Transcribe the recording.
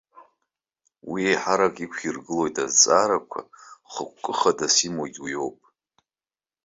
Уи еиҳарак иқәиргылоит азҵаарақәа, хықәкы хадас имоугьы уи ауп.